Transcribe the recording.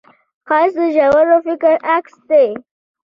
ښایست د ژور فکر عکس دی